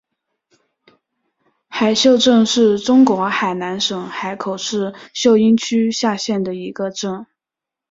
海秀镇是中国海南省海口市秀英区下辖的一个镇。